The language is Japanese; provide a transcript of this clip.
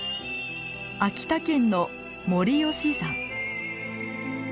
秋田県の森吉山。